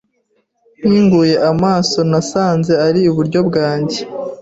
Nkinguye amaso, nasanze ari iburyo bwanjye.